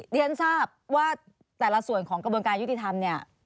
เรียนทราบว่าแต่ละส่วนของกระบวนการยุติธรรมเนี่ย